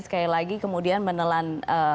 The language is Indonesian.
sekali lagi kemudian menelan